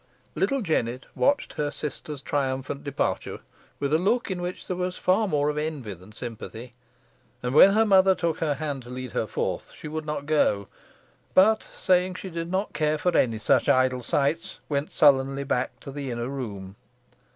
Little Jennet watched her sister's triumphant departure with a look in which there was far more of envy than sympathy, and, when her mother took her hand to lead her forth, she would not go, but saying she did not care for any such idle sights, went back sullenly to the inner room.